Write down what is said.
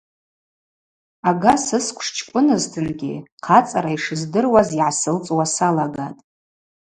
Ага сысквш чкӏвынызтынгьи хъацӏара йшыздыруаз йгӏасылцӏуа салагатӏ.